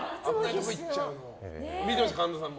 見てましたか、神田さんも。